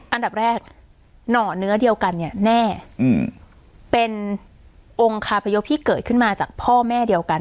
อันดับแรกหน่อเนื้อเดียวกันเนี่ยแน่เป็นองค์คาพยพที่เกิดขึ้นมาจากพ่อแม่เดียวกัน